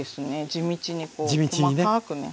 地道に細かくね。